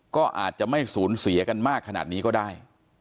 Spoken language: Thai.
ก็อาจจะไม่สูญเสียกันมากขนาดนี้ก็ได้